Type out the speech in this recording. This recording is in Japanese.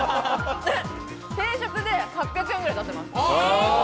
定食で８００円ぐらい出せます。